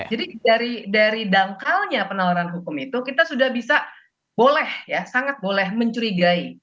jadi dari dangkalnya peneloran hukum itu kita sudah bisa boleh ya sangat boleh mencurigai